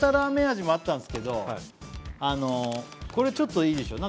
味もあったんですけどこれちょっといいでしょ